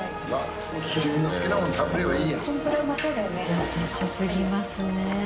優しすぎますね。